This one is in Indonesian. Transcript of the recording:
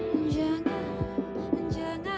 mana yang disalah yang nyata